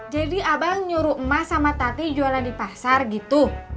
jadi abang nyuruh emak sama tati jualan di pasar gitu